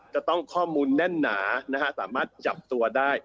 จะต้องข้อมูลแน่นหนานะฮะสามารถจับตัวได้